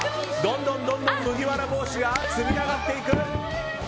どんどん麦わら帽子が積み上がっていく！